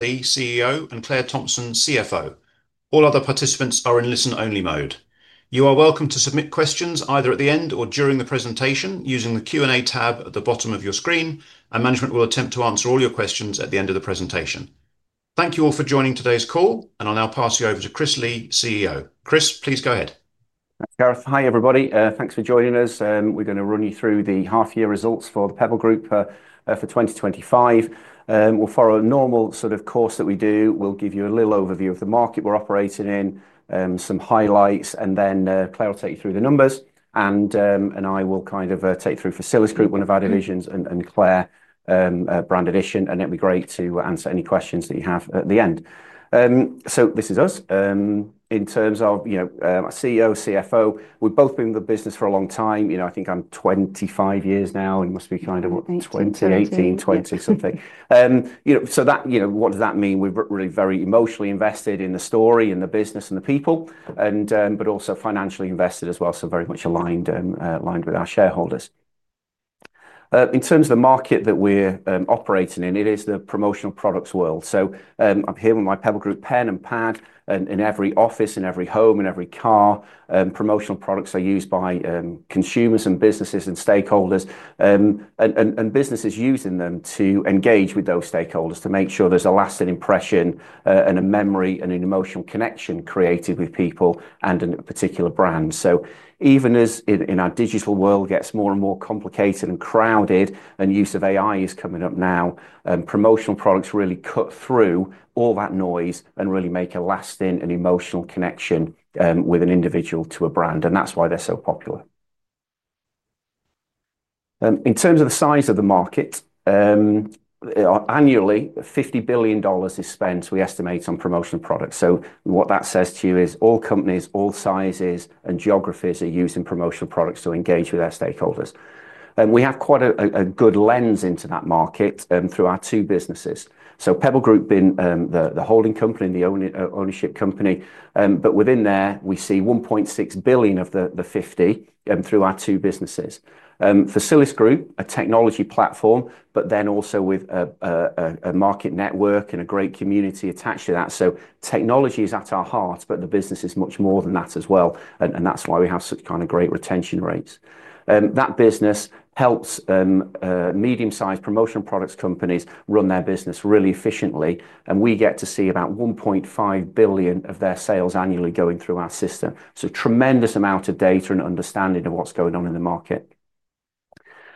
The CEO and Claire Thomson, CFO. All other participants are in listen-only mode. You are welcome to submit questions either at the end or during the presentation using the Q&A tab at the bottom of your screen, and management will attempt to answer all your questions at the end of the presentation. Thank you all for joining today's call, and I'll now pass you over to Christopher Lee, CEO. Chris, please go ahead. Hi everybody, thanks for joining us. We're going to run you through the half-year results for The Pebble Group plc for 2025. We'll follow a normal sort of course that we do. We'll give you a little overview of the market we're operating in, some highlights, and then Claire will take you through the numbers, and I will kind of take you through Facilisgroup, one of our divisions, and Claire, Brand Addition, and it'll be great to answer any questions that you have at the end. This is us. In terms of, you know, a CEO, CFO, we've both been in the business for a long time. I think I'm 25 years now. You must be kind of 20, 18, 20 something. What does that mean? We're really very emotionally invested in the story and the business and the people, but also financially invested as well, so very much aligned with our shareholders. In terms of the market that we're operating in, it is the promotional products world. I'm here with my Pebble Group pen and pad in every office, in every home, in every car. Promotional products are used by consumers and businesses and stakeholders, and businesses use them to engage with those stakeholders to make sure there's a lasting impression and a memory and an emotional connection created with people and a particular brand. Even as our digital world gets more and more complicated and crowded and use of AI is coming up now, promotional products really cut through all that noise and really make a lasting and emotional connection with an individual to a brand, and that's why they're so popular. In terms of the size of the market, annually, $50 billion is spent, we estimate, on promotional products. What that says to you is all companies, all sizes, and geographies are using promotional products to engage with their stakeholders. We have quite a good lens into that market through our two businesses. The Pebble Group plc being the holding company and the ownership company, but within there, we see $1.6 billion of the $50 billion through our two businesses. Facilisgroup, a technology platform, but then also with a market network and a great community attached to that. Technology is at our heart, but the business is much more than that as well, and that's why we have such kind of great retention rates. That business helps medium-sized promotional products companies run their business really efficiently, and we get to see about $1.5 billion of their sales annually going through our system. A tremendous amount of data and understanding of what's going on in the market.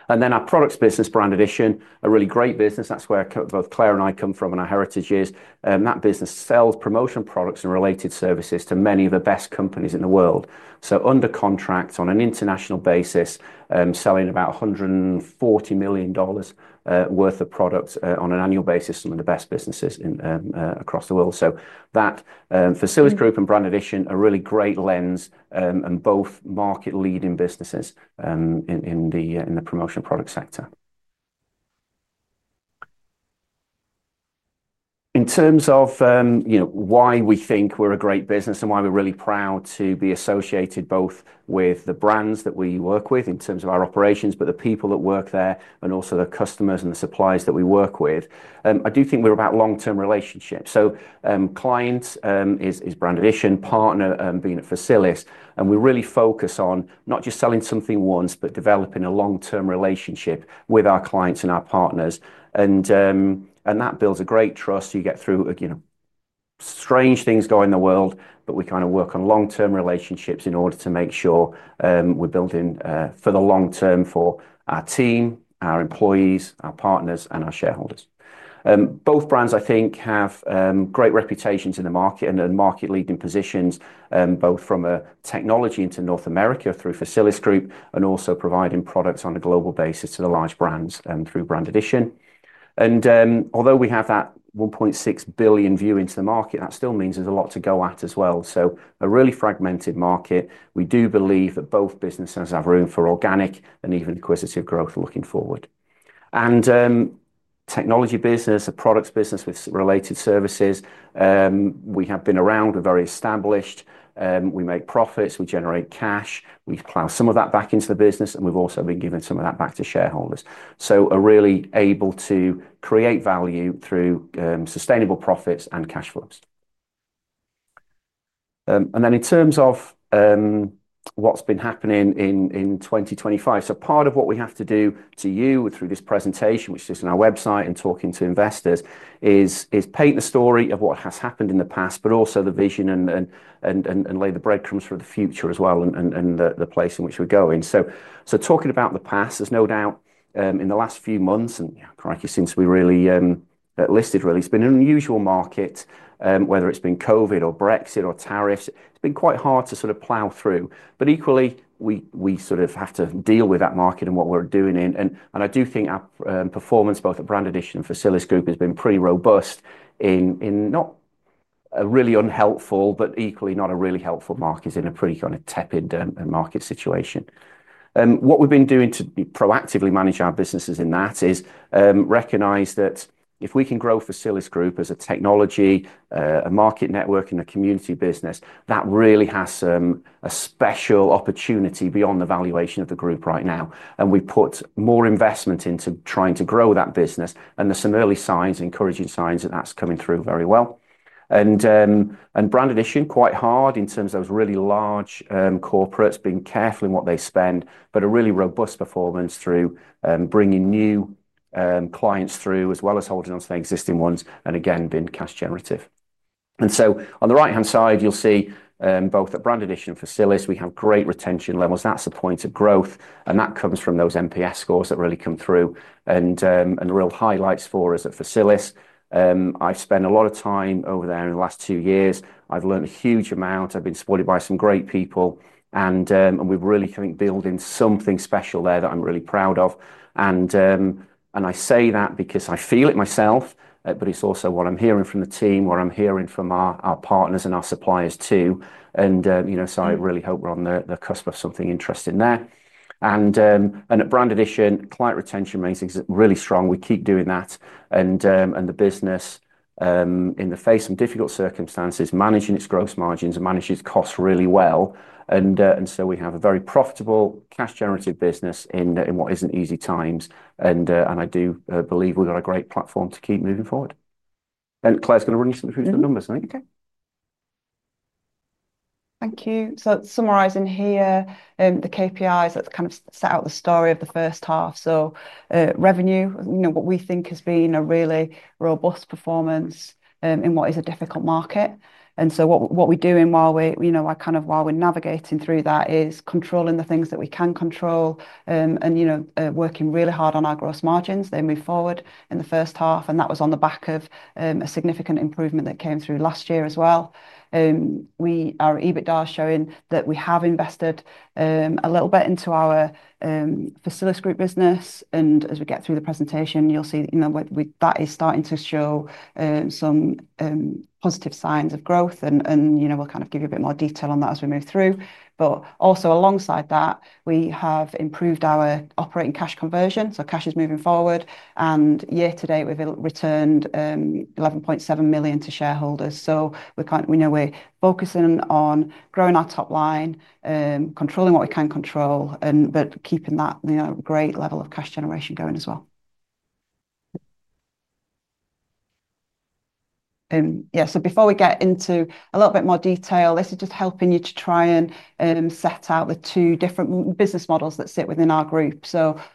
Then our products business, Brand Addition, a really great business. That's where both Claire and I come from in our heritage years. That business sells promotional products and related services to many of the best companies in the world under contracts on an international basis, selling about $140 million worth of products on an annual basis to one of the best businesses across the world. Facilisgroup and Brand Addition are really great lens and both market-leading businesses in the promotional product sector. In terms of why we think we're a great business and why we're really proud to be associated both with the brands that we work with in terms of our operations, the people that work there, and also the customers and the suppliers that we work with, I do think we're about long-term relationships. Clients is Brand Addition, partner being at Facilisgroup, and we really focus on not just selling something once, but developing a long-term relationship with our clients and our partners. That builds a great trust. You get through, you know, strange things going in the world, but we kind of work on long-term relationships in order to make sure we're building for the long term for our team, our employees, our partners, and our shareholders. Both brands, I think, have great reputations in the market and market-leading positions, both from a technology into North America through Facilisgroup and also providing products on a global basis to the large brands through Brand Addition. Although we have that $1.6 billion view into the market, that still means there's a lot to go at as well. A really fragmented market. We do believe that both businesses have room for organic and even acquisitive growth looking forward. A technology business, a products business with related services, we have been around. We're very established. We make profits. We generate cash. We've ploughed some of that back into the business, and we've also been giving some of that back to shareholders. We're really able to create value through sustainable profits and cash flows. In terms of what's been happening in 2025, part of what we have to do through this presentation, which is just on our website and talking to investors, is paint the story of what has happened in the past, but also the vision and lay the breadcrumbs for the future as well and the place in which we're going. Talking about the past, there's no doubt in the last few months, and since we really listed, really, it's been an unusual market, whether it's been COVID or Brexit or tariffs. It's been quite hard to sort of plow through. Equally, we sort of have to deal with that market and what we're doing in. I do think our performance, both at Brand Addition and Facilisgroup, has been pretty robust in not a really unhelpful, but equally not a really helpful market in a pretty kind of tepid market situation. What we've been doing to proactively manage our businesses in that is recognize that if we can grow Facilisgroup as a technology, a market network, and a community business, that really has a special opportunity beyond the valuation of the group right now. We put more investment into trying to grow that business. There are some early signs, encouraging signs that that's coming through very well. Brand Addition, quite hard in terms of those really large corporates, being careful in what they spend, but a really robust performance through bringing new clients through as well as holding on to the existing ones and again being cash generative. On the right-hand side, you'll see both at Brand Addition and Facilisgroup, we have great retention levels. That's a point of growth. That comes from those NPS scores that really come through and real highlights for us at Facilisgroup. I've spent a lot of time over there in the last two years. I've learned a huge amount. I've been supported by some great people. We're really kind of building something special there that I'm really proud of. I say that because I feel it myself, but it's also what I'm hearing from the team, what I'm hearing from our partners and our suppliers too. I really hope we're on the cusp of something interesting there. At Brand Addition, client retention rating is really strong. We keep doing that. The business, in the face of difficult circumstances, managing its gross margins and managing its costs really well. We have a very profitable, cash-generative business in what isn't easy times. I do believe we've got a great platform to keep moving forward. Claire's going to run you through some numbers, I think. Okay. Thank you. Summarizing here, the KPIs, that's kind of set out the story of the first half. Revenue, you know, what we think has been a really robust performance in what is a difficult market. What we're doing while we're navigating through that is controlling the things that we can control and working really hard on our gross margins. They move forward in the first half. That was on the back of a significant improvement that came through last year as well. Our EBITDA is showing that we have invested a little bit into our Facilisgroup business. As we get through the presentation, you'll see that is starting to show some positive signs of growth. We'll give you a bit more detail on that as we move through. Also, alongside that, we have improved our operating cash conversion. Cash is moving forward. Year to date, we've returned £11.7 million to shareholders. We know we're focusing on growing our top line, controlling what we can control, but keeping that great level of cash generation going as well. Before we get into a little bit more detail, this is just helping you to try and set out the two different business models that sit within our group.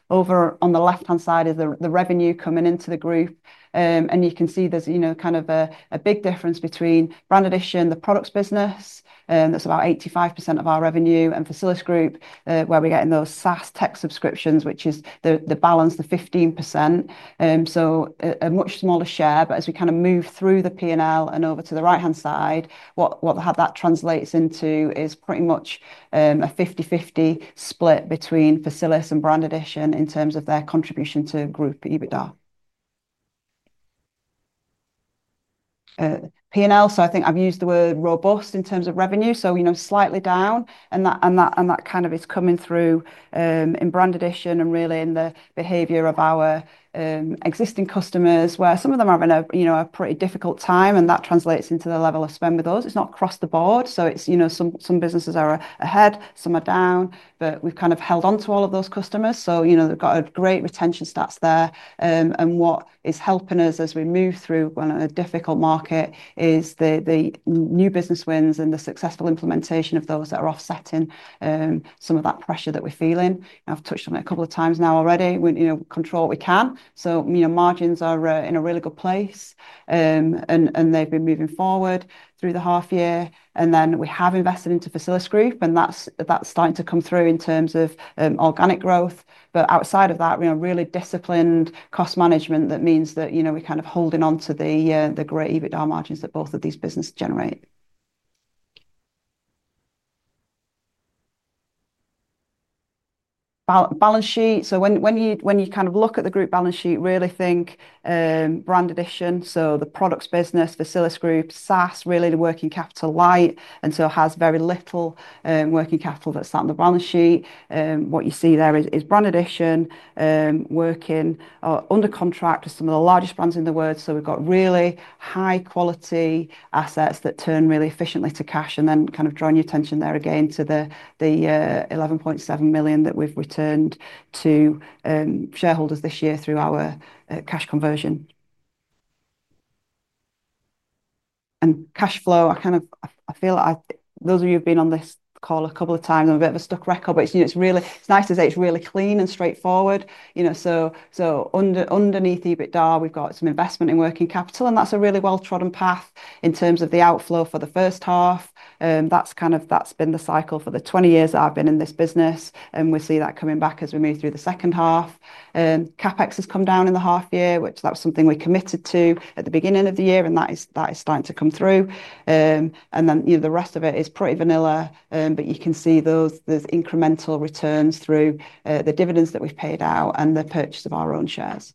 Over on the left-hand side is the revenue coming into the group. You can see there's a big difference between Brand Addition, the products business, that's about 85% of our revenue, and Facilisgroup, where we're getting those SaaS tech subscriptions, which is the balance, the 15%. A much smaller share. As we move through the P&L and over to the right-hand side, what that translates into is pretty much a 50-50 split between Facilisgroup and Brand Addition in terms of their contribution to group EBITDA. P&L, I think I've used the word robust in terms of revenue. Slightly down. That kind of is coming through in Brand Addition and really in the behavior of our existing customers, where some of them are in a pretty difficult time. That translates into the level of spend with those. It's not across the board. Some businesses are ahead, some are down. We've held on to all of those customers. They've got great retention stats there. What is helping us as we move through a difficult market is the new business wins and the successful implementation of those that are offsetting some of that pressure that we're feeling. I've touched on it a couple of times now already. We control what we can. Margins are in a really good place, and they've been moving forward through the half year. We have invested into Facilisgroup, and that's starting to come through in terms of organic growth. Outside of that, we have really disciplined cost management that means we're kind of holding on to the great EBITDA margins that both of these businesses generate. Balance sheet. When you kind of look at the group balance sheet, really think Brand Addition, so the products business, Facilisgroup, SaaS, really the working capital light. It has very little working capital that's on the balance sheet. What you see there is Brand Addition working under contract with some of the largest brands in the world. We've got really high-quality assets that turn really efficiently to cash. Drawing your attention there again to the £11.7 million that we've returned to shareholders this year through our cash conversion. Cash flow, I feel like those of you who've been on this call a couple of times, I'm a bit of a stuck record, but it's really nice to say it's really clean and straightforward. Underneath EBITDA, we've got some investment in working capital. That's a really well-trodden path in terms of the outflow for the first half. That's been the cycle for the 20 years that I've been in this business, and we see that coming back as we move through the second half. CapEx has come down in the half year, which was something we committed to at the beginning of the year, and that is starting to come through. The rest of it is pretty vanilla, but you can see those incremental returns through the dividends that we've paid out and the purchase of our own shares.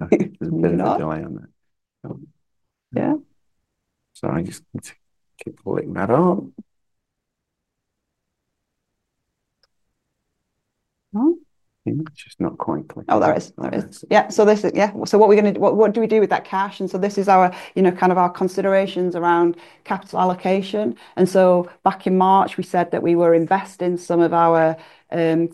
I'm not enjoying that. Yeah? Sorry, I'm just taking a look at that. Huh? It's just not quite clicking. Yeah, so what do we do with that cash? This is our considerations around capital allocation. Back in March, we said that we were investing some of our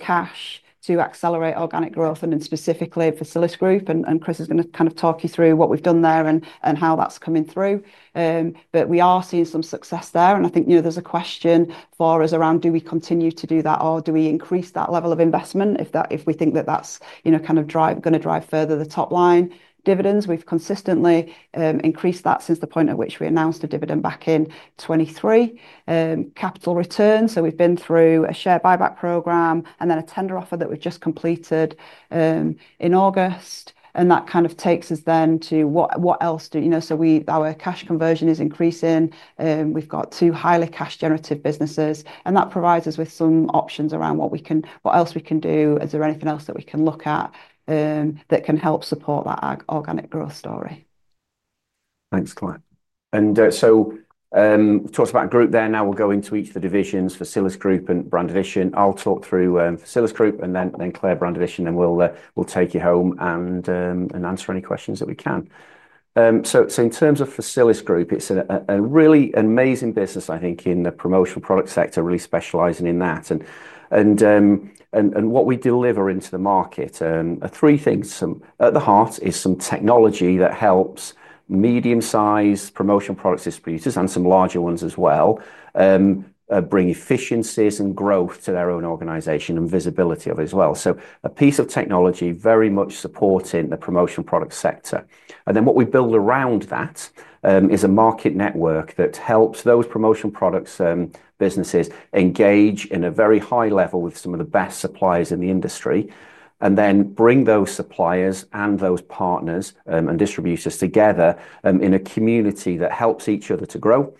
cash to accelerate organic growth, specifically in Facilisgroup. Chris is going to talk you through what we've done there and how that's coming through. We are seeing some success there. I think there's a question for us around, do we continue to do that or do we increase that level of investment if we think that's going to drive further the top line dividends? We've consistently increased that since the point at which we announced a dividend back in 2023. Capital return, we've been through a share buyback program and then a tender offer that we've just completed in August. That takes us to what else do our cash conversion is increasing. We've got two highly cash-generative businesses, and that provides us with some options around what else we can do. Is there anything else that we can look at that can help support that organic growth story? Thanks, Claire. We've talked about the group there. Now we'll go into each of the divisions, Facilisgroup and Brand Addition. I'll talk through Facilisgroup and then Claire, Brand Addition. We'll take you home and answer any questions that we can. In terms of Facilisgroup, it's a really amazing business, I think, in the promotional product sector, really specializing in that. What we deliver into the market are three things. At the heart is some technology that helps medium-sized promotional products distributors and some larger ones as well bring efficiencies and growth to their own organization and visibility of it as well. A piece of technology very much supporting the promotional product sector. What we build around that is a market network that helps those promotional products and businesses engage in a very high level with some of the best suppliers in the industry and then bring those suppliers and those partners and distributors together in a community that helps each other to grow,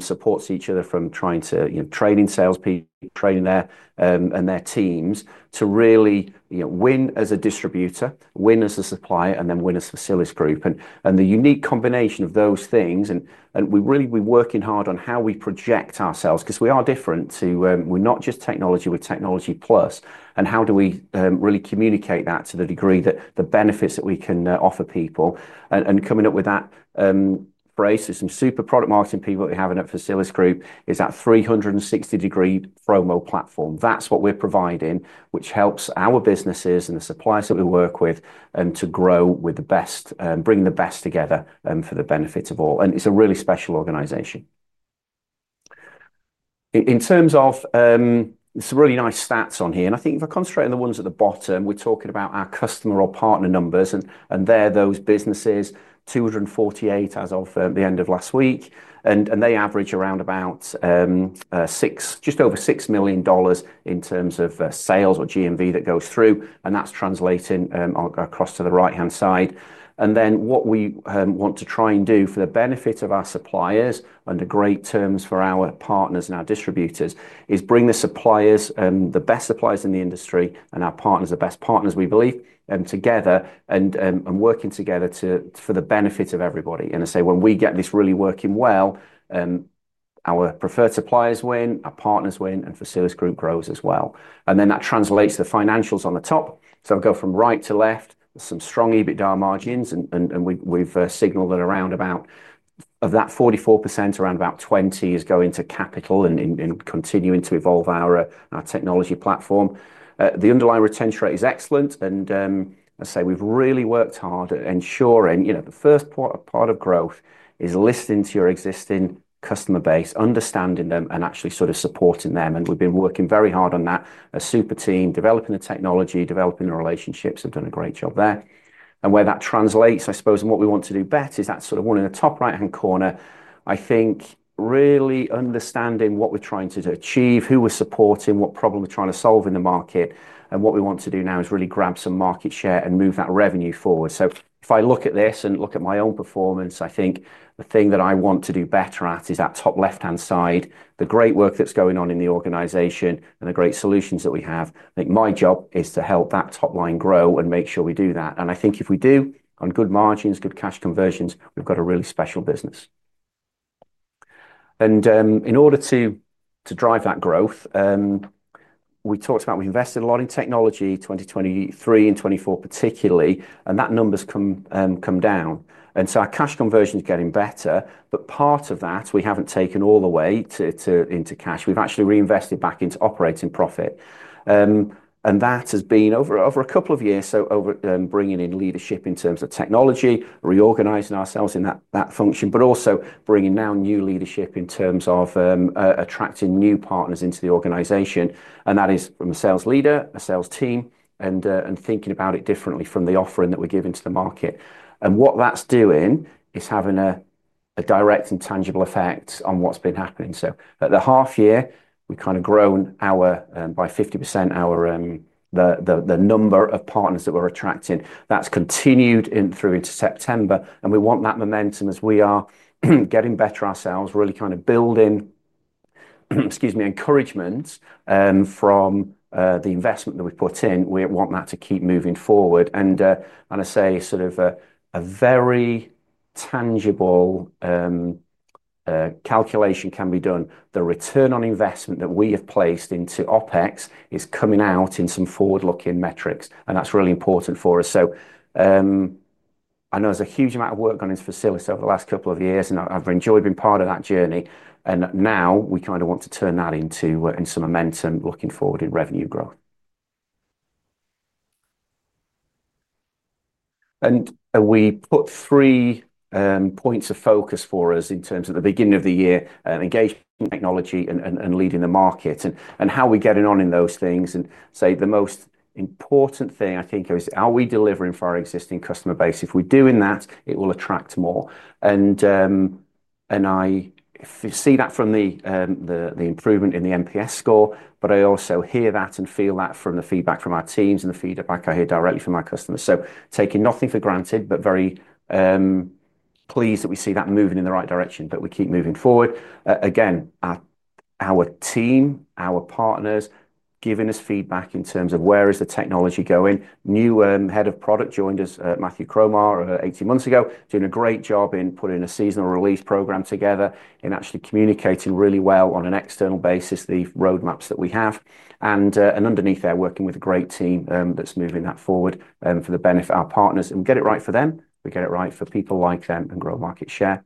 supports each other from trying to, you know, training salespeople, training their and their teams to really, you know, win as a distributor, win as a supplier, and then win as Facilisgroup. The unique combination of those things, and we really, we're working hard on how we project ourselves because we are different to, we're not just technology, we're technology plus. How do we really communicate that to the degree that the benefits that we can offer people? Coming up with that brace is some super product marketing people that we have in Facilisgroup is that 360-degree FOMO platform. That's what we're providing, which helps our businesses and the suppliers that we work with to grow with the best and bring the best together for the benefit of all. It's a really special organization. In terms of some really nice stats on here, and I think if I concentrate on the ones at the bottom, we're talking about our customer or partner numbers, and they're those businesses, 248 as of the end of last week. They average around about six, just over $6 million in terms of sales or GMV that go through. That's translating across to the right-hand side. What we want to try and do for the benefit of our suppliers, under great terms for our partners and our distributors, is bring the suppliers, the best suppliers in the industry, and our partners, the best partners we believe, together and working together for the benefit of everybody. When we get this really working well, our preferred suppliers win, our partners win, and Facilisgroup grows as well. That translates to financials on the top. I'll go from right to left. There are some strong EBITDA margins, and we've signaled that around about of that 44%, around about 20 is going to capital and continuing to evolve our technology platform. The underlying retention rate is excellent. We've really worked hard at ensuring the first part of growth is listening to your existing customer base, understanding them, and actually sort of supporting them. We've been working very hard on that. A super team developing the technology, developing the relationships, have done a great job there. Where that translates, I suppose, and what we want to do better is that sort of one in the top right-hand corner, really understanding what we're trying to achieve, who we're supporting, what problem we're trying to solve in the market. What we want to do now is really grab some market share and move that revenue forward. If I look at this and look at my own performance, I think the thing that I want to do better at is that top left-hand side, the great work that's going on in the organization and the great solutions that we have. I think my job is to help that top line grow and make sure we do that. If we do on good margins, good cash conversions, we've got a really special business. In order to drive that growth, we talked about we invested a lot in technology 2023 and 2024 particularly, and that number's come down. Our cash conversion is getting better, but part of that we haven't taken all the way into cash. We've actually reinvested back into operating profit. That has been over a couple of years, over bringing in leadership in terms of technology, reorganizing ourselves in that function, but also bringing now new leadership in terms of attracting new partners into the organization. That is from a sales leader, a sales team, and thinking about it differently from the offering that we're giving to the market. What that's doing is having a direct and tangible effect on what's been happening. At the half year, we've grown our number of partners that we're attracting by 50%. That's continued through into September. We want that momentum as we are getting better ourselves, really building encouragement from the investment that we've put in. We want that to keep moving forward. A very tangible calculation can be done. The return on investment that we have placed into OpEx is coming out in some forward-looking metrics. That's really important for us. I know there's a huge amount of work going into Facilisgroup over the last couple of years, and I've enjoyed being part of that journey. Now we want to turn that into some momentum looking forward in revenue growth. We put three points of focus for us in terms of the beginning of the year: engaging technology and leading the market and how we're getting on in those things. The most important thing, I think, is how we're delivering for our existing customer base. If we're doing that, it will attract more. I see that from the improvement in the NPS score, but I also hear that and feel that from the feedback from our teams and the feedback I hear directly from our customers. Taking nothing for granted, but very pleased that we see that moving in the right direction, we keep moving forward. Our team, our partners, are giving us feedback in terms of where the technology is going. New Head of Product joined us, Matthew Cromar, 18 months ago, doing a great job in putting a seasonal release program together and actually communicating really well on an external basis, the roadmaps that we have. Underneath there, working with a great team that's moving that forward for the benefit of our partners. We get it right for them, we get it right for people like them and grow market share.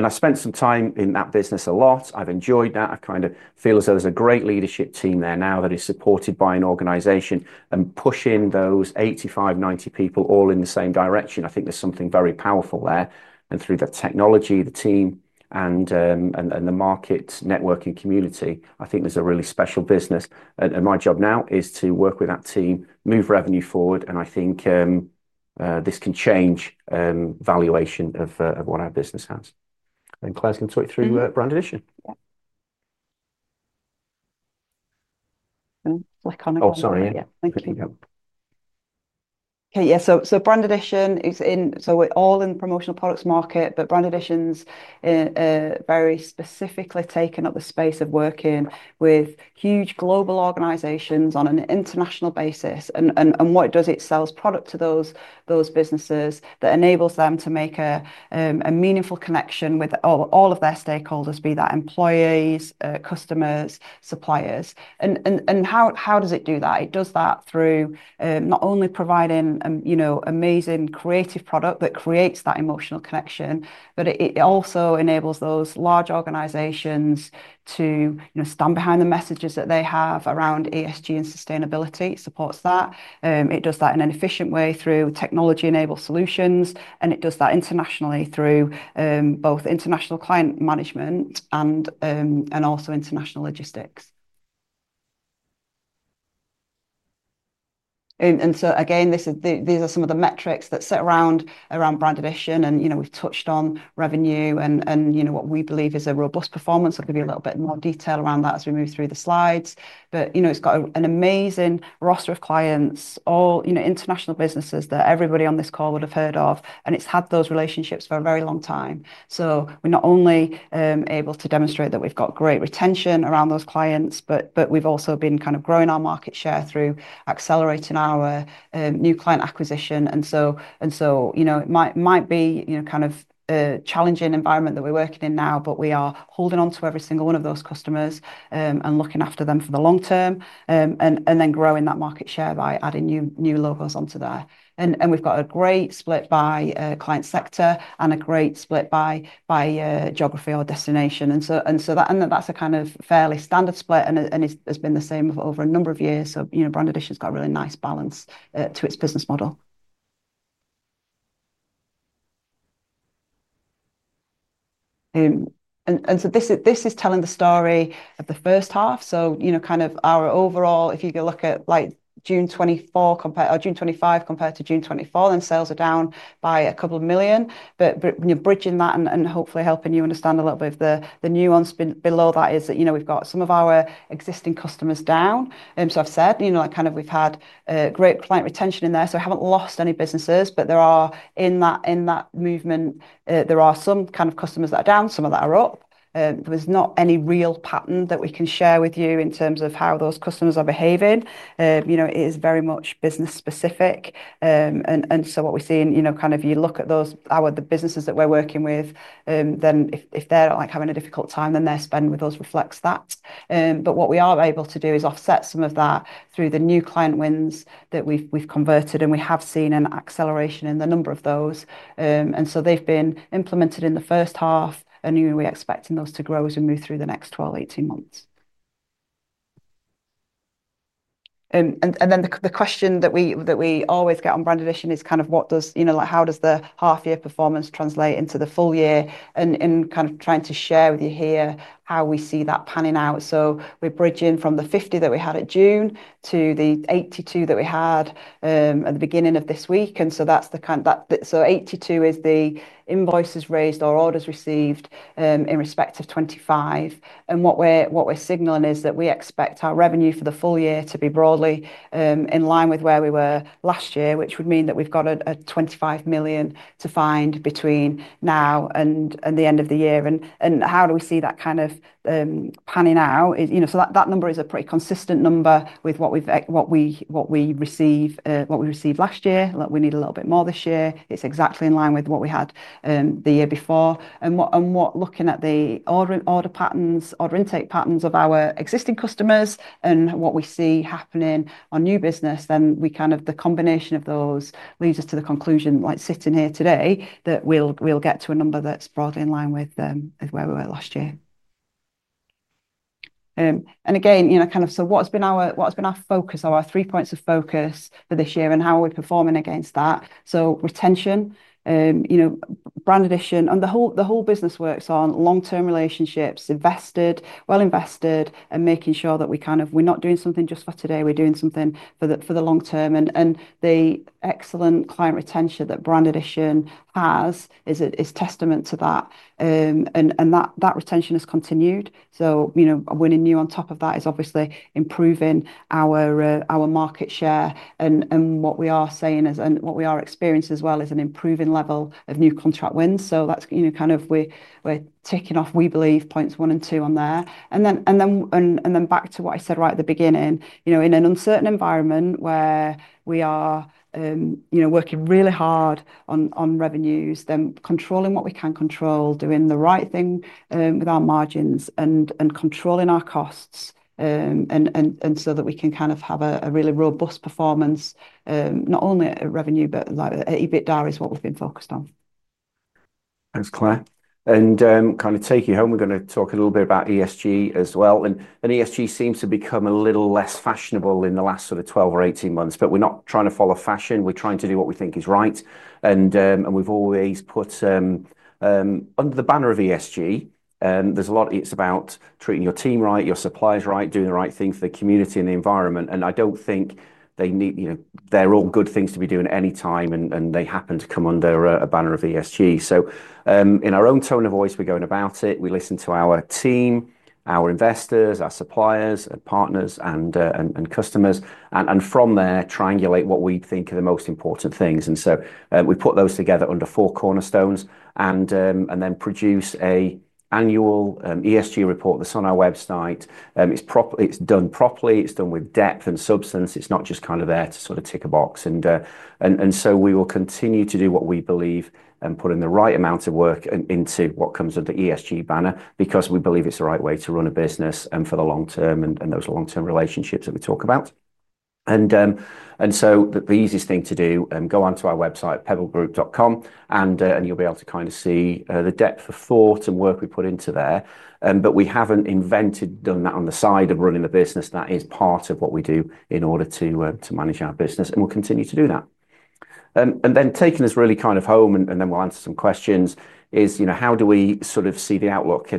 I've spent some time in that business a lot. I've enjoyed that. I feel as though there's a great leadership team there now that is supported by an organization and pushing those 85, 90 people all in the same direction. I think there's something very powerful there. Through the technology, the team, and the market networking community, I think there's a really special business. My job now is to work with that team, move revenue forward. I think this can change the valuation of what our business has. Claire's going to talk through Brand Addition. Oh, sorry. Yeah. Okay, yeah, so Brand Addition is in, so we're all in the promotional products market, but Brand Addition's very specifically taken up the space of working with huge global organizations on an international basis. What it does, it sells product to those businesses that enables them to make a meaningful connection with all of their stakeholders, be that employees, customers, suppliers. How does it do that? It does that through not only providing, you know, amazing creative product that creates that emotional connection, but it also enables those large organizations to, you know, stand behind the messages that they have around ESG and sustainability. It supports that. It does that in an efficient way through technology-enabled solutions. It does that internationally through both international client management and also international logistics. These are some of the metrics that sit around Brand Addition. You know, we've touched on revenue and, you know, what we believe is a robust performance. I'll give you a little bit more detail around that as we move through the slides. You know, it's got an amazing roster of clients, all, you know, international businesses that everybody on this call would have heard of. It's had those relationships for a very long time. We're not only able to demonstrate that we've got great retention around those clients, but we've also been kind of growing our market share through accelerating our new client acquisition. It might be a kind of a challenging environment that we're working in now, but we are holding on to every single one of those customers and looking after them for the long term and then growing that market share by adding new logos onto there. We've got a great split by client sector and a great split by geography or destination. That's a kind of fairly standard split, and it's been the same over a number of years. You know, Brand Addition's got a really nice balance to its business model. This is telling the story of the first half. Our overall, if you look at like June 2024 compared to June 2025 compared to June 2024, then sales are down by a couple of million. Bridging that and hopefully helping you understand a little bit of the nuance below that is that, you know, we've got some of our existing customers down. I've said, you know, like kind of we've had great client retention in there. I haven't lost any businesses, but in that movement, there are some customers that are down, some that are up. There's not any real pattern that we can share with you in terms of how those customers are behaving. It is very much business specific. What we see in our businesses that we're working with, if they're having a difficult time, then their spend with us reflects that. What we are able to do is offset some of that through the new client wins that we've converted, and we have seen an acceleration in the number of those. They've been implemented in the first half, and we're expecting those to grow as we move through the next 12-18 months. The question that we always get on Brand Addition is how does the half-year performance translate into the full year, and trying to share with you here how we see that panning out. We're bridging from the 50 that we had at June to the 82 that we had at the beginning of this week. That's the kind of, so 82 is the invoices raised or orders received in respect of 2025. What we're signaling is that we expect our revenue for the full year to be broadly in line with where we were last year, which would mean that we've got $25 million to find between now and the end of the year. How do we see that panning out? That number is a pretty consistent number with what we received last year. We need a little bit more this year. It's exactly in line with what we had the year before. Looking at the order patterns, order intake patterns of our existing customers and what we see happening on new business, the combination of those leads us to the conclusion, sitting here today, that we'll get to a number that's broadly in line with where we were last year. What's been our focus, our three points of focus for this year, and how are we performing against that? Retention. Brand Addition and the whole business works on long-term relationships, invested, well invested, and making sure that we're not doing something just for today. We're doing something for the long term. The excellent client retention that Brand Addition has is a testament to that, and that retention has continued. Winning new on top of that is obviously improving our market share. What we are saying is, and what we are experiencing as well, is an improving level of new contract wins. That's kind of, we're ticking off, we believe, points one and two on there. Back to what I said right at the beginning, in an uncertain environment where we are working really hard on revenues, controlling what we can control, doing the right thing with our margins, and controlling our costs, so that we can have a really robust performance, not only at revenue, but like EBITDA is what we've been focused on. Thanks, Claire. Taking home, we're going to talk a little bit about ESG as well. ESG seems to become a little less fashionable in the last sort of 12 or 18 months, but we're not trying to follow fashion. We're trying to do what we think is right. We've always put under the banner of ESG, there's a lot, it's about treating your team right, your suppliers right, doing the right thing for the community and the environment. I don't think they need, you know, they're all good things to be doing anytime, and they happen to come under a banner of ESG. In our own tone of voice, we're going about it. We listen to our team, our investors, our suppliers, partners, and customers, and from there, triangulate what we think are the most important things. We put those together under four cornerstones and then produce an annual ESG report that's on our website. It's done properly. It's done with depth and substance. It's not just there to tick a box. We will continue to do what we believe and put in the right amount of work into what comes with the ESG banner because we believe it's the right way to run a business and for the long term and those long-term relationships that we talk about. The easiest thing to do, go onto our website, pebblegroup.com, and you'll be able to see the depth of thought and work we put into there. We haven't invented done that on the side of running the business. That is part of what we do in order to manage our business, and we'll continue to do that. Taking this really kind of home, and then we'll answer some questions, is, you know, how do we sort of see the outlook?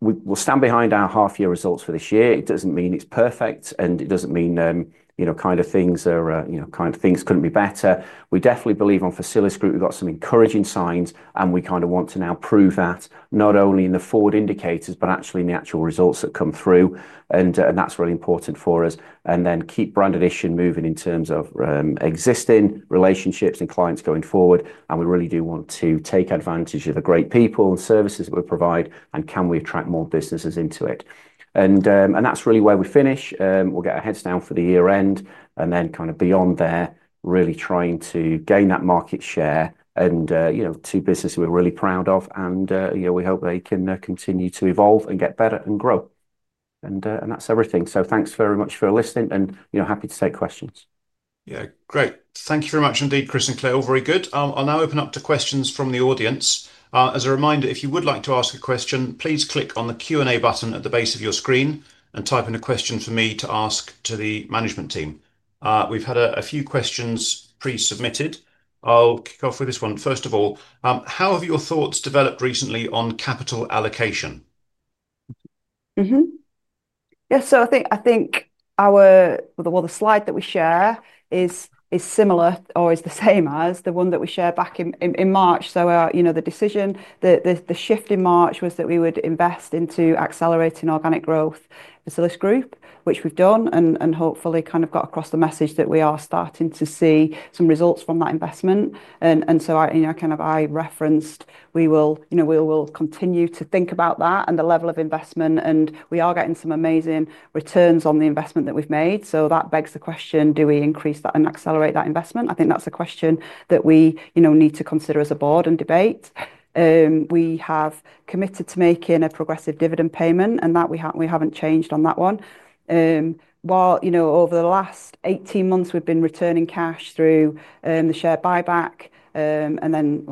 We'll stand behind our half-year results for this year. It doesn't mean it's perfect, and it doesn't mean, you know, kind of things are, you know, kind of things couldn't be better. We definitely believe on Facilisgroup, we've got some encouraging signs, and we kind of want to now prove that not only in the forward indicators, but actually in the actual results that come through. That's really important for us. Then keep Brand Addition moving in terms of existing relationships and clients going forward. We really do want to take advantage of the great people and services that we provide, and can we attract more businesses into it? That's really where we finish. We'll get our heads down for the year-end and then beyond there, really trying to gain that market share. You know, two businesses we're really proud of, and we hope they can continue to evolve and get better and grow. That's everything. Thanks very much for listening, and happy to take questions. Yeah, great. Thank you very much indeed, Chris and Claire. All very good. I'll now open up to questions from the audience. As a reminder, if you would like to ask a question, please click on the Q&A button at the base of your screen and type in a question for me to ask to the management team. We've had a few questions pre-submitted. I'll kick off with this one. First of all, how have your thoughts developed recently on capital allocation? Yeah, I think our, the slide that we share is similar or is the same as the one that we shared back in March. The decision, the shift in March was that we would invest into accelerating organic growth at Facilisgroup, which we've done, and hopefully kind of got across the message that we are starting to see some results from that investment. I referenced we will continue to think about that and the level of investment. We are getting some amazing returns on the investment that we've made. That begs the question, do we increase that and accelerate that investment? I think that's a question that we need to consider as a board and debate. We have committed to making a progressive dividend payment, and we haven't changed on that one. Over the last 18 months, we've been returning cash through the share buyback and then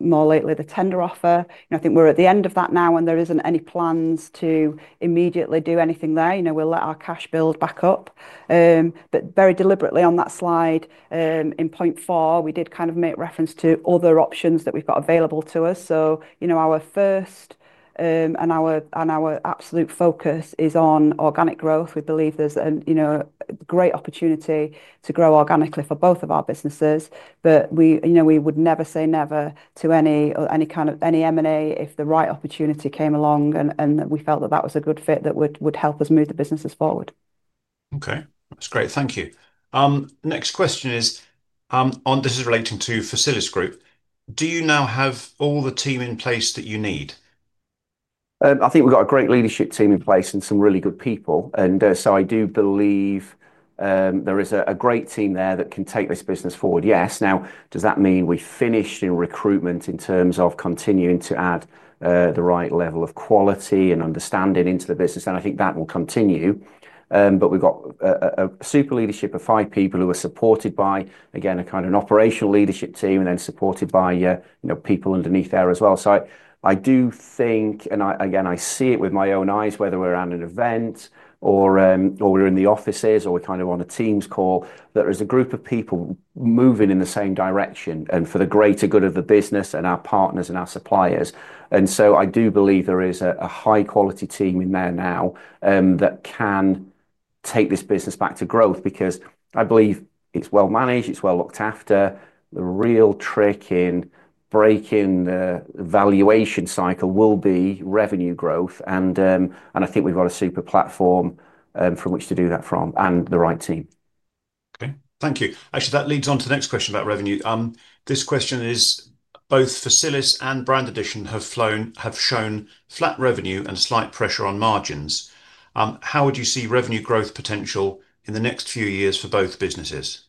more lately the tender offer. I think we're at the end of that now and there isn't any plans to immediately do anything there. We'll let our cash build back up. Very deliberately on that slide, in point four, we did make reference to other options that we've got available to us. Our first and our absolute focus is on organic growth. We believe there's a great opportunity to grow organically for both of our businesses. We would never say never to any kind of M&A if the right opportunity came along and we felt that that was a good fit that would help us move the businesses forward. Okay, that's great. Thank you. Next question is, on this is relating to Facilisgroup, do you now have all the team in place that you need? I think we've got a great leadership team in place and some really good people. I do believe there is a great team there that can take this business forward. Yes. Does that mean we finish in recruitment in terms of continuing to add the right level of quality and understanding into the business? I think that will continue. We've got a super leadership of five people who are supported by, again, a kind of operational leadership team and then supported by people underneath there as well. I do think, and again, I see it with my own eyes, whether we're at an event or we're in the offices or we're on a Teams call, that there's a group of people moving in the same direction and for the greater good of the business and our partners and our suppliers. I do believe there is a high-quality team in there now that can take this business back to growth because I believe it's well managed, it's well looked after. The real trick in breaking the valuation cycle will be revenue growth. I think we've got a super platform from which to do that from and the right team. Okay, thank you. Actually, that leads on to the next question about revenue. This question is, both Facilisgroup and Brand Addition have shown flat revenue and slight pressure on margins. How would you see revenue growth potential in the next few years for both businesses?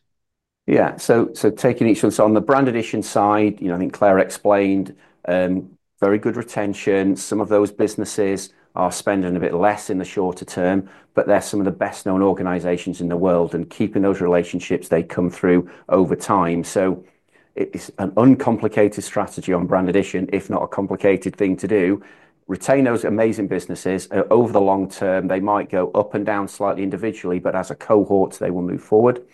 Yeah, so taking each of us on the Brand Addition side, I think Claire explained very good retention. Some of those businesses are spending a bit less in the shorter term, but they're some of the best-known organizations in the world and keeping those relationships, they come through over time. It is an uncomplicated strategy on Brand Addition, if not a complicated thing to do. Retain those amazing businesses over the long term. They might go up and down slightly individually, but as a cohort, they will move forward.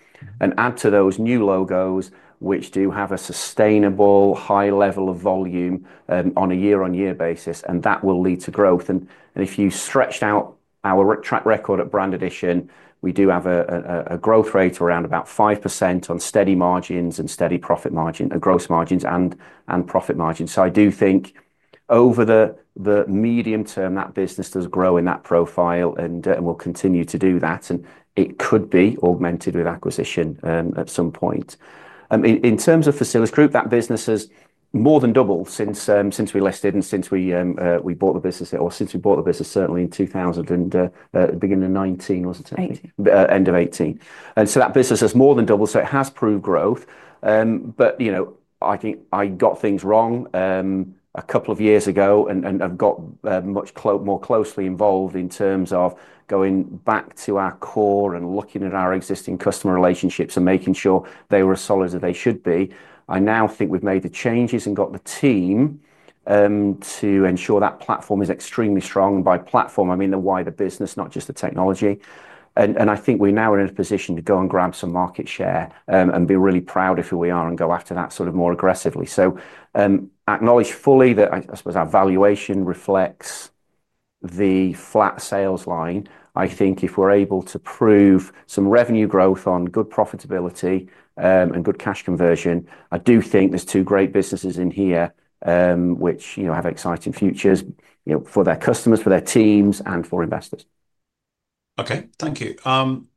Add to those new logos, which do have a sustainable high level of volume on a year-on-year basis, and that will lead to growth. If you stretch out our track record at Brand Addition, we do have a growth rate around about 5% on steady margins and steady profit margins, gross margins and profit margins. I do think over the medium term, that business does grow in that profile and will continue to do that. It could be augmented with acquisition at some point. In terms of Facilisgroup, that business has more than doubled since we listed and since we bought the business, or since we bought the business, certainly in 2018, and the beginning of 2019, wasn't it? End of 2018. That business has more than doubled. It has proved growth. I think I got things wrong a couple of years ago and got much more closely involved in terms of going back to our core and looking at our existing customer relationships and making sure they were as solid as they should be. I now think we've made the changes and got the team to ensure that platform is extremely strong. By platform, I mean the wider business, not just the technology. I think we now are in a position to go and grab some market share and be really proud of who we are and go after that sort of more aggressively. I acknowledge fully that I suppose our valuation reflects the flat sales line. I think if we're able to prove some revenue growth on good profitability and good cash conversion, I do think there's two great businesses in here which have exciting futures for their customers, for their teams, and for investors. Okay, thank you.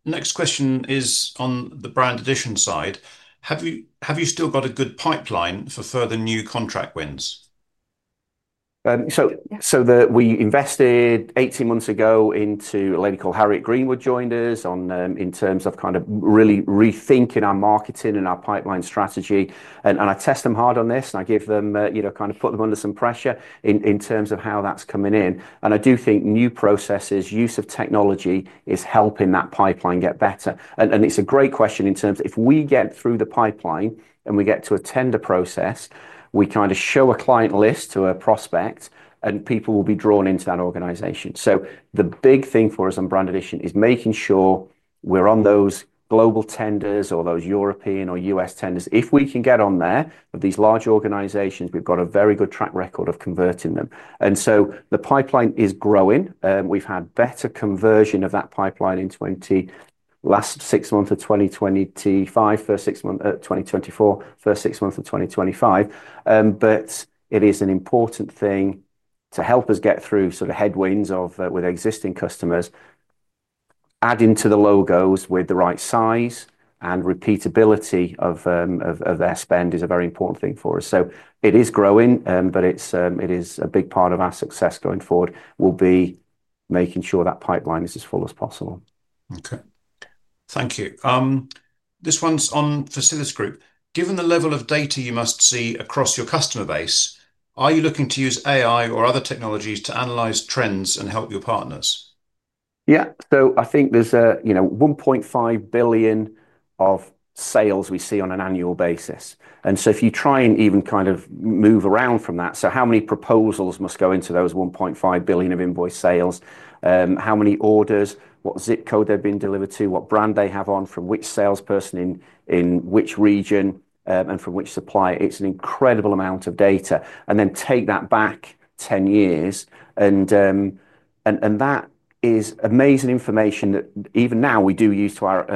Next question is on the Brand Addition side. Have you still got a good pipeline for further new contract wins? We invested 18 months ago into a lady called Harriet Greenwood, who joined us in terms of really rethinking our marketing and our pipeline strategy. I test them hard on this, and I put them under some pressure in terms of how that's coming in. I do think new processes and use of technology are helping that pipeline get better. It's a great question in terms of if we get through the pipeline and we get to a tender process, we show a client list to a prospect and people will be drawn into that organization. The big thing for us on Brand Addition is making sure we're on those global tenders or those European or U.S. tenders. If we can get on there with these large organizations, we've got a very good track record of converting them. The pipeline is growing. We've had better conversion of that pipeline in the last six months of 2023, first six months of 2024, first six months of 2025. It is an important thing to help us get through headwinds with existing customers. Adding to the logos with the right size and repeatability of their spend is a very important thing for us. It is growing, and a big part of our success going forward will be making sure that pipeline is as full as possible. Okay, thank you. This one's on Facilisgroup. Given the level of data you must see across your customer base, are you looking to use AI or other technologies to analyze trends and help your partners? Yeah, so I think there's a, you know, $1.5 billion of sales we see on an annual basis. If you try and even kind of move around from that, how many proposals must go into those $1.5 billion of invoice sales? How many orders, what zip code they've been delivered to, what brand they have on, from which salesperson in which region, and from which supplier, it's an incredible amount of data. Take that back 10 years, and that is amazing information that even now we do use to our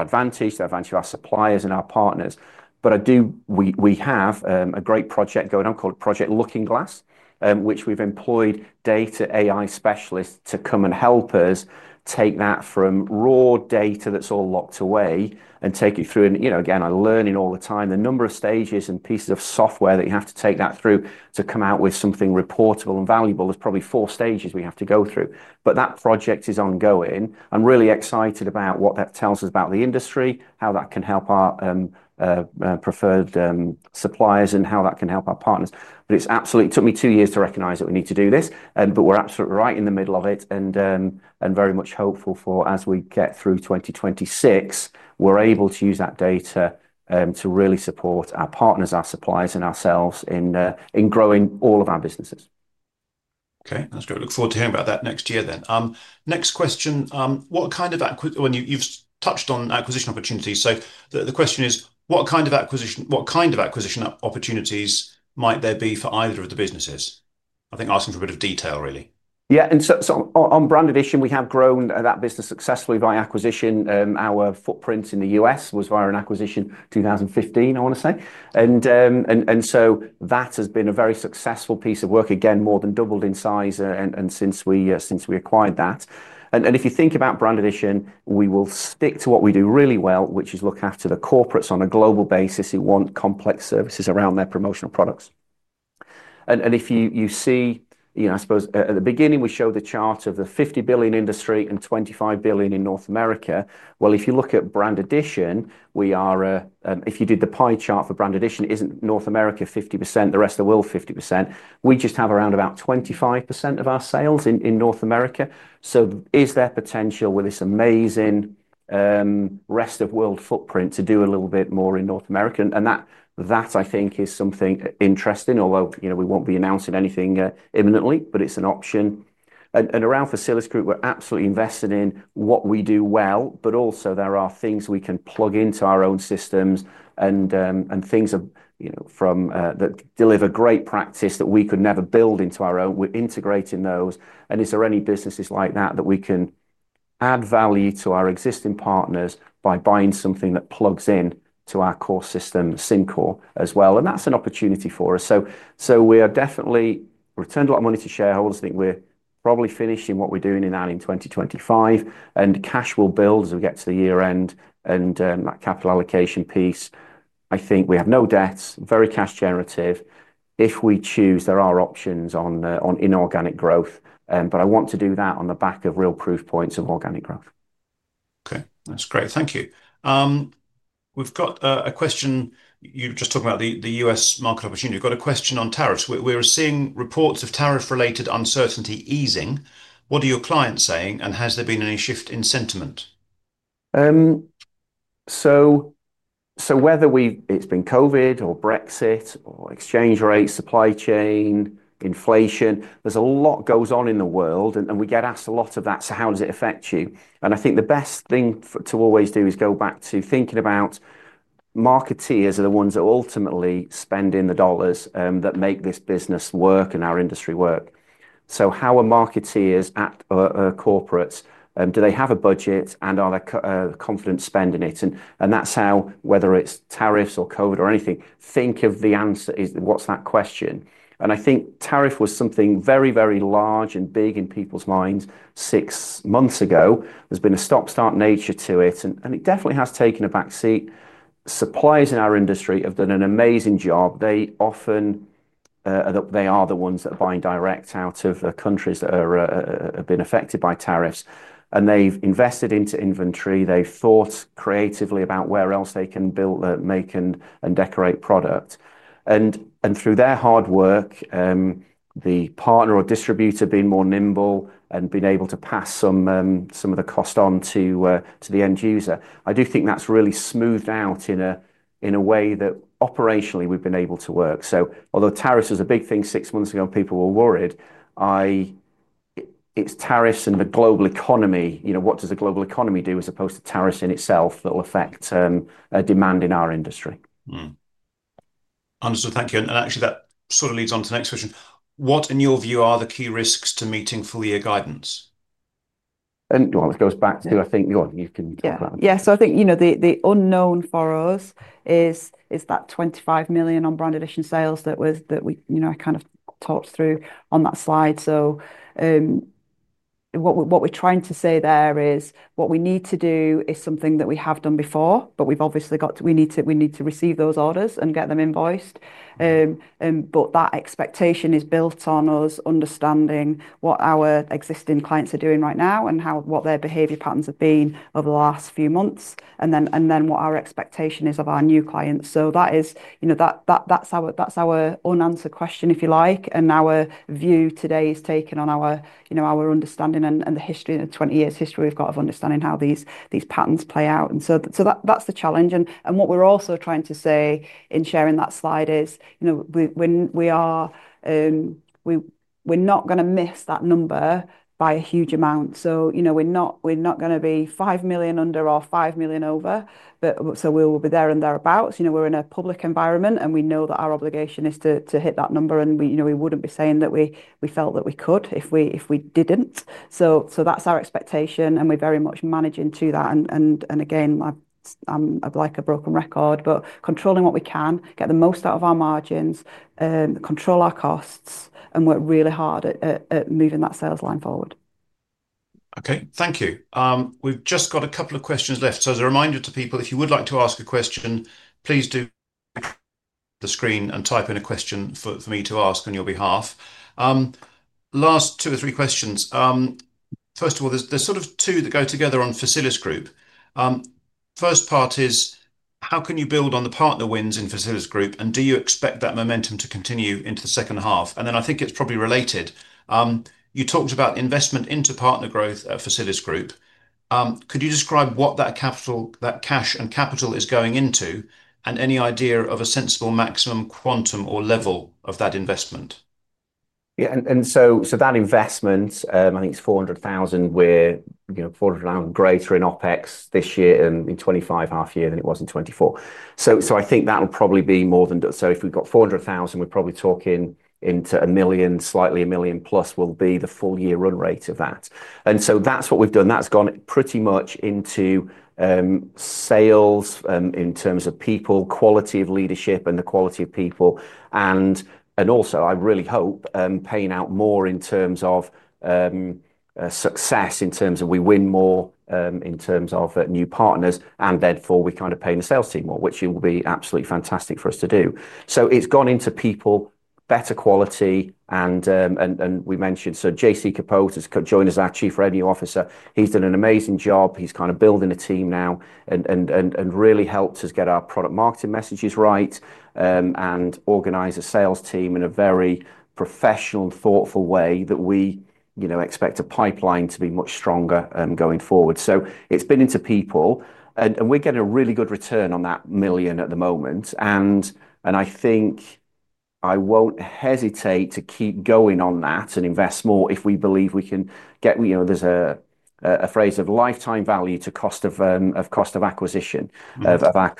advantage, to the advantage of our suppliers and our partners. We have a great project going on called Project Looking Glass, which we've employed data AI specialists to come and help us take that from raw data that's all locked away and take it through. I'm learning all the time, the number of stages and pieces of software that you have to take that through to come out with something reportable and valuable. There's probably four stages we have to go through. That project is ongoing. I'm really excited about what that tells us about the industry, how that can help our preferred suppliers, and how that can help our partners. It took me two years to recognize that we need to do this, but we're absolutely right in the middle of it. I'm very much hopeful for, as we get through 2026, we're able to use that data to really support our partners, our suppliers, and ourselves in growing all of our businesses. Okay, that's great. Look forward to hearing about that next year then. Next question, what kind of acquisition, you've touched on acquisition opportunities. The question is, what kind of acquisition, what kind of acquisition opportunities might there be for either of the businesses? I think asking for a bit of detail, really. Yeah, and on Brand Addition, we have grown that business successfully via acquisition. Our footprint in the U.S. was via an acquisition in 2015, I want to say. That has been a very successful piece of work, again, more than doubled in size since we acquired that. If you think about Brand Addition, we will stick to what we do really well, which is look after the corporates on a global basis who want complex services around their promotional products. At the beginning, we showed the chart of the $50 billion industry and $25 billion in North America. If you look at Brand Addition, if you did the pie chart for Brand Addition, it isn't North America 50%, the rest of the world 50%. We just have around about 25% of our sales in North America. Is there potential with this amazing rest of the world footprint to do a little bit more in North America? That, I think, is something interesting. Although we won't be announcing anything imminently, it's an option. Around Facilisgroup, we're absolutely invested in what we do well, but also there are things we can plug into our own systems and things from that deliver great practice that we could never build into our own. We're integrating those. Is there any businesses like that that we can add value to our existing partners by buying something that plugs into our core system, Syncore, as well? That's an opportunity for us. We are definitely, we've returned a lot of money to shareholders. I think we're probably finishing what we're doing in 2025. Cash will build as we get to the year-end and that capital allocation piece. I think we have no debts, very cash generative. If we choose, there are options on inorganic growth, but I want to do that on the back of real proof points of organic growth. Okay, that's great. Thank you. We've got a question. You were just talking about the U.S. market opportunity. We've got a question on tariffs. We're seeing reports of tariff-related uncertainty easing. What are your clients saying? Has there been any shift in sentiment? Whether it's been COVID or Brexit or exchange rates, supply chain, inflation, there's a lot going on in the world. We get asked a lot of that. How does it affect you? I think the best thing to always do is go back to thinking about marketers are the ones that ultimately spend the dollars that make this business work and our industry work. How are marketers at corporates? Do they have a budget and are they confident spending it? That's how, whether it's tariffs or COVID or anything, think of the answer as what's that question. I think tariff was something very, very large and big in people's minds six months ago. There's been a stop-start nature to it. It definitely has taken a back seat. Suppliers in our industry have done an amazing job. They often are the ones that buy in direct out of the countries that have been affected by tariffs. They've invested into inventory. They've thought creatively about where else they can build, make, and decorate product. Through their hard work, the partner or distributor being more nimble and being able to pass some of the cost on to the end user, I do think that's really smoothed out in a way that operationally we've been able to work. Although tariffs was a big thing six months ago, people were worried. It's tariffs and the global economy. What does the global economy do as opposed to tariffs in itself that will affect demand in our industry? Understood. Thank you. That sort of leads on to the next question. What, in your view, are the key risks to meeting full-year guidance? This goes back to, I think you can talk about it. Yeah, so I think the unknown for us is that $25 million on Brand Addition sales that we, you know, I kind of talked through on that slide. What we're trying to say there is what we need to do is something that we have done before, but we've obviously got to, we need to receive those orders and get them invoiced. That expectation is built on us understanding what our existing clients are doing right now and what their behavior patterns have been over the last few months, and then what our expectation is of our new clients. That is, you know, that's our unanswered question, if you like. Our view today is taken on our, you know, our understanding and the history and the 20 years history we've got of understanding how these patterns play out. That's the challenge. What we're also trying to say in sharing that slide is, you know, we are, we're not going to miss that number by a huge amount. We're not going to be $5 million under or $5 million over. We will be there and thereabouts. You know, we're in a public environment and we know that our obligation is to hit that number. We, you know, we wouldn't be saying that we felt that we could if we didn't. That's our expectation, and we're very much managing to that. Again, I'm like a broken record, but controlling what we can, get the most out of our margins, control our costs, and work really hard at moving that sales line forward. Okay, thank you. We've just got a couple of questions left. As a reminder to people, if you would like to ask a question, please use the screen and type in a question for me to ask on your behalf. Last two or three questions. First of all, there's sort of two that go together on Facilisgroup. First part is, how can you build on the partner wins in Facilisgroup? Do you expect that momentum to continue into the second half? I think it's probably related. You talked about investment into partner growth at Facilisgroup. Could you describe what that cash and capital is going into? Any idea of a sensible maximum quantum or level of that investment? Yeah, and so that investment, I think it's $400,000. We're, you know, $400,000 greater in OpEx this year in 2025, half a year, than it was in 2024. I think that'll probably be more than, so if we've got $400,000, we're probably talking into $1 million, slightly $1 million plus will be the full year run rate of that. That's what we've done. That's gone pretty much into sales in terms of people, quality of leadership, and the quality of people. I really hope paying out more in terms of success, in terms of we win more, in terms of new partners, and therefore we kind of pay the sales team more, which will be absolutely fantastic for us to do. It's gone into people, better quality, and we mentioned, so JC Capote has joined us, our Chief Revenue Officer. He's done an amazing job. He's kind of building a team now and really helped us get our product marketing messages right and organize a sales team in a very professional and thoughtful way that we, you know, expect a pipeline to be much stronger going forward. It's been into people and we're getting a really good return on that $1 million at the moment. I think I won't hesitate to keep going on that and invest more if we believe we can get, you know, there's a phrase of lifetime value to cost of acquisition of our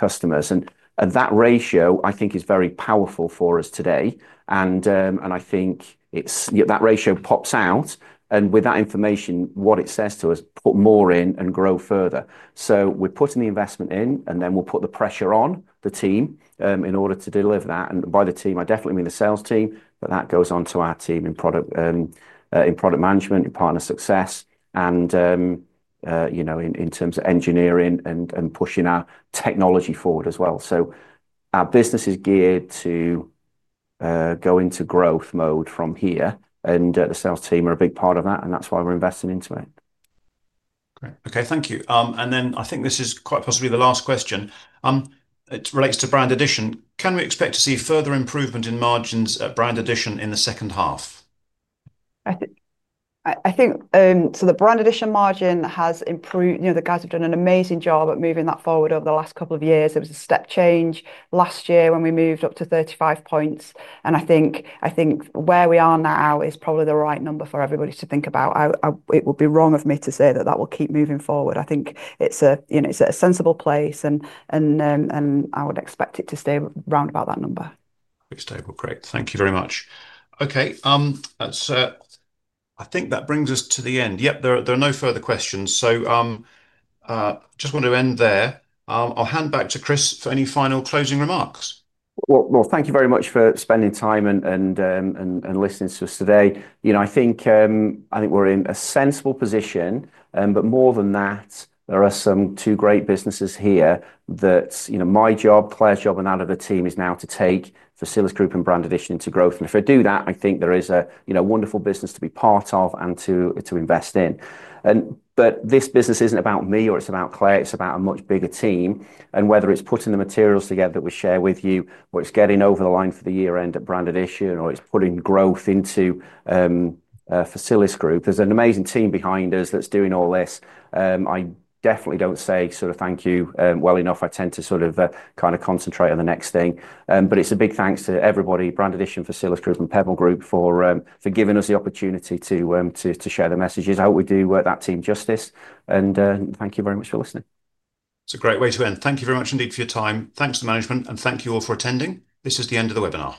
customers. That ratio, I think, is very powerful for us today. I think it's, you know, that ratio pops out. With that information, what it says to us, put more in and grow further. We're putting the investment in, and then we'll put the pressure on the team in order to deliver that. By the team, I definitely mean the sales team, but that goes on to our team in product management, in partner success, and, you know, in terms of engineering and pushing our technology forward as well. Our business is geared to go into growth mode from here, and the sales team are a big part of that, and that's why we're investing into it. Okay, thank you. I think this is quite possibly the last question. It relates to Brand Addition. Can we expect to see further improvement in margins at Brand Addition in the second half? I think the Brand Addition margin has improved. The guys have done an amazing job at moving that forward over the last couple of years. There was a step change last year when we moved up to 35%. I think where we are now is probably the right number for everybody to think about. It would be wrong of me to say that that will keep moving forward. I think it's a sensible place, and I would expect it to stay around about that number. Stable. Great. Thank you very much. Okay, I think that brings us to the end. There are no further questions. I just want to end there. I'll hand back to Christopher Lee for any final closing remarks. Thank you very much for spending time and listening to us today. I think we're in a sensible position, but more than that, there are two great businesses here that, you know, my job, Claire's job, and that of the team is now to take Facilisgroup and Brand Addition into growth. If I do that, I think there is a wonderful business to be part of and to invest in. This business isn't about me or it's about Claire. It's about a much bigger team. Whether it's putting the materials together that we share with you, or it's getting over the line for the year-end at Brand Addition, or it's putting growth into Facilisgroup, there's an amazing team behind us that's doing all this. I definitely don't say thank you well enough. I tend to kind of concentrate on the next thing. It's a big thanks to everybody, Brand Addition, Facilisgroup, and The Pebble Group plc for giving us the opportunity to share the messages. I hope we do that team justice. Thank you very much for listening. It's a great way to end. Thank you very much indeed for your time. Thanks to management, and thank you all for attending. This is the end of the webinar.